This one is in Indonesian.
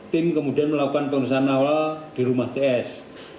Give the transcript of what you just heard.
tim kemudian melakukan pemeriksaan awal di rumah ts